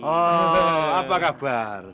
oh apa kabar